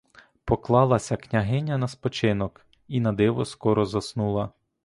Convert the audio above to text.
Поклалася княгиня на спочинок і на диво скоро заснула.